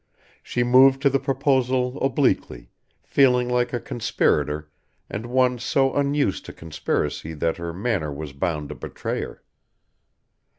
She moved to the proposal obliquely, feeling like a conspirator, and one so unused to conspiracy that her manner was bound to betray her.